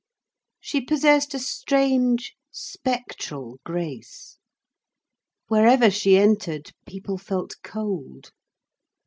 She possessed a strange spectral grace. Wherever she entered, people felt cold.